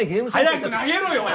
早く投げろお前！